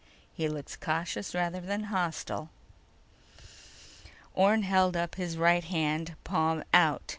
He looks cautious rather than hostile."_ Orne held up his right hand, palm out.